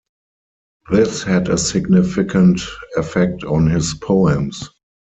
This had a significant effect on his poems.